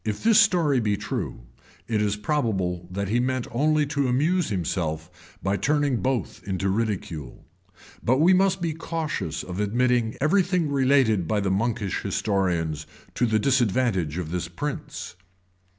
[] If this story be true, it is probable that he meant only to amuse himself by turning both into ridicule; but we must be cautious of admitting every thing related by the monkish historians to the disadvantage of this prince.